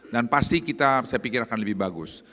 dan pasti kita saya pikir akan lebih bagus